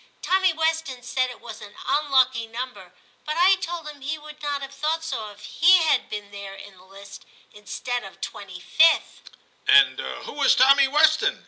Tommy Weston said it was an un lucky number, but I told him he would not have thought so if he had been there in the list instead of 25th.' ' And who is Tommy Weston